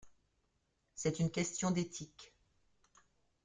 C’est une question d’éthique.